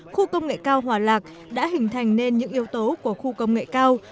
khu công nghệ cao hòa lạc đã hình thành nên những yếu tố của khu công nghệ cao